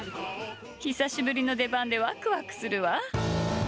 久しぶりの出番で、わくわくするわ。